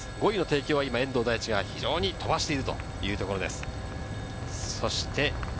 ５位の帝京は遠藤大地が非常に飛ばしているというところです。